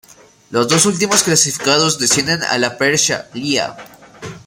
Los dos últimos clasificados descienden a la Persha Liha.